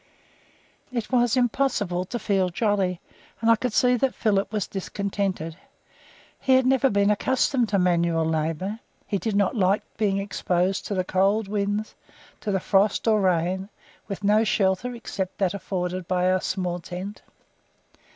It was impossible to feel jolly, and I could see that Philip was discontented. He had never been accustomed to manual labour; he did not like being exposed to the cold winds, to the frost or rain, with no shelter except that afforded by our small tent.